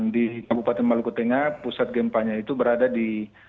di kabupaten maluku tengah pusat gempanya itu berada di